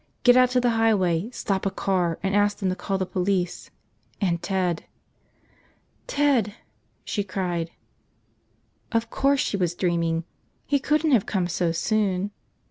Get out to the highway, stop a car, ask them to call the police and Ted ... "Ted!" she cried. Of course she was dreaming! He couldn't have come so soon!